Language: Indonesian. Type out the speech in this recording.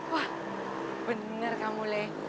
wah benar kamu leh